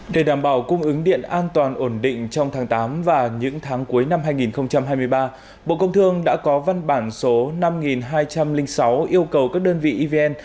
để đảm bảo cung ứng điện an toàn ổn định trong tháng tám và những tháng cuối năm hai nghìn hai mươi ba bộ công thương đã có văn bản số năm nghìn hai trăm linh sáu yêu cầu các đơn vị evn